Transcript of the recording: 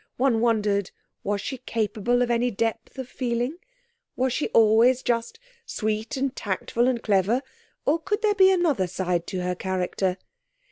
One wondered. Was she capable of any depth of feeling? Was she always just sweet and tactful and clever, or could there be another side to her character?